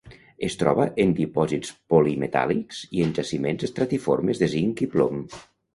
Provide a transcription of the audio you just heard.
Es troba en dipòsits polimetàl·lics, i en jaciments estratiformes de zinc i plom.